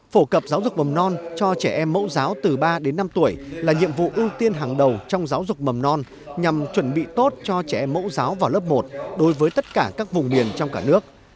phổ cập giáo dục mầm non cho trẻ em mẫu giáo từ ba đến năm tuổi là nhiệm vụ ưu tiên hàng đầu trong giáo dục mầm non nhằm chuẩn bị tốt cho trẻ em mẫu giáo vào lớp một đối với tất cả các vùng miền trong cả nước